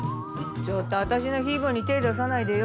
ちょっと私のヒー坊に手出さないでよ。